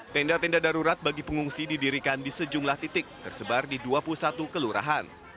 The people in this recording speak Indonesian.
tenda tenda darurat bagi pengungsi didirikan di sejumlah titik tersebar di dua puluh satu kelurahan